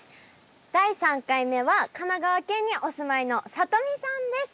第３回目は神奈川県にお住まいのさとみさんです。